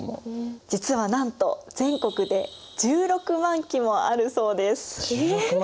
実はなんと全国で１６万基もあるそうです。え！？１６万！？